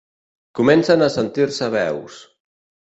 Comencen a sentir-se veus.